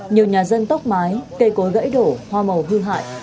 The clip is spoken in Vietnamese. nhiều nhà dân tốc mái cây cối gãy đổ hoa màu hư hại